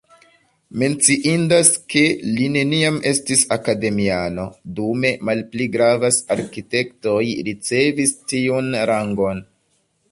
Menciindas, ke li neniam estis akademiano, dume malpli gravas arkitektoj ricevis tiun rangon.